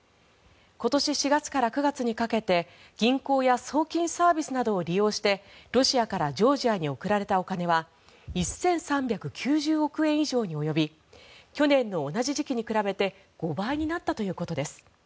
今年４月から９月にかけて銀行や送金サービスなどを利用してロシアからジョージアに送られたお金は１３９０億円以上に及び去年の同じ時期に比べて５倍になったということです。